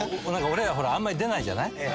「俺らあんまり出ないじゃない」